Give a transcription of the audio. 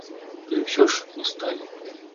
Але ўсё ж не сталі.